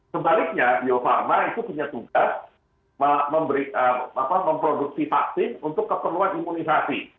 sebaliknya bio farma itu punya tugas memproduksi vaksin untuk keperluan imunisasi